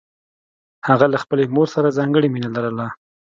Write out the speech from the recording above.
هغه له خپلې مور سره ځانګړې مینه لرله